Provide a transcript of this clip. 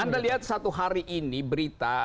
anda lihat satu hari ini berita